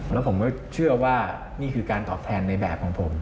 แล้วผมก็เชื่อว่านี่คือการตอบแทนในแบบของผม